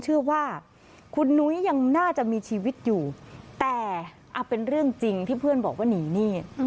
เชื่อว่าคุณนุ้ยยังน่าจะมีชีวิตอยู่แต่เป็นเรื่องจริงที่เพื่อนบอกว่าหนีหนี้